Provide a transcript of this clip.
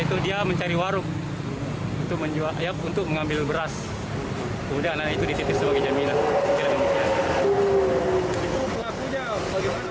kemudian itu dititip sebagai jaminan